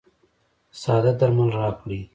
ساده درمل راکړئ.